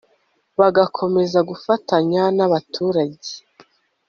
bagakomeza gufatanya n abaturage